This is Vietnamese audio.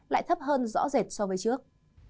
lại thấp hơn rõ rệt so với trước